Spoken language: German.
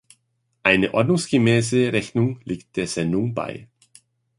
Eine ordnungsgemäße Rechnung liegt der Sendung bei.